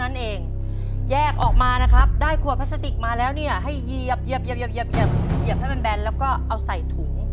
นั่นเองแยกออกมานะครับได้ขวดพลาสติกมาแล้วเนี่ยให้เหยียบให้มันแบนแล้วก็เอาใส่ถุง